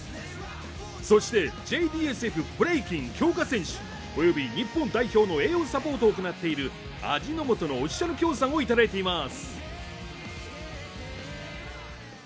そして、ＪＤＳＦブレイキン強化選手および日本代表の栄養サポートを行っている味の素のオフィシャル協賛をいただいています。